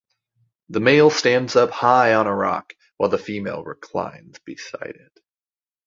The male stands up high on a rock, while the female reclines beside it.